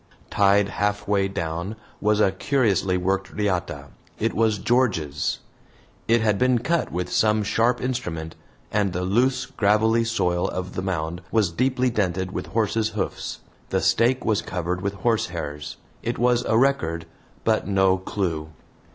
Tied halfway down was a curiously worked riata. It was George's. It had been cut with some sharp instrument, and the loose gravelly soil of the mound was deeply dented with horses' hoofs. The stake was covered with horsehairs. It was a record, but no clue.